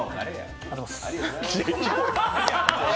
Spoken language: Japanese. ありがとうございます。